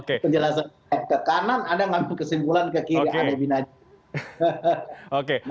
penjelasan ke kanan anda mengambil kesimpulan ke kiri anda binatang